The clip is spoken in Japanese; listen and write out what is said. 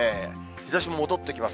日ざしも戻ってきます。